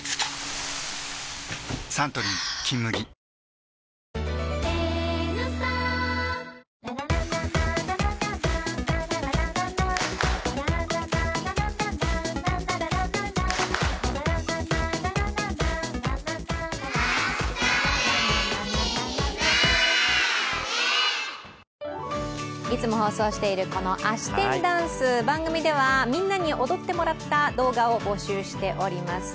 サントリー「金麦」いつも放送しているこのあし天ダンス番組ではみんなに踊ってもらった動画を募集しています。